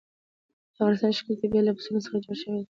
د افغانستان ښکلی طبیعت له پسونو څخه جوړ شوی دی.